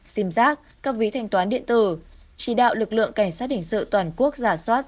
xìm rác các ví thanh toán điện tử chỉ đạo lực lượng cảnh sát đình sự toàn quốc giả soát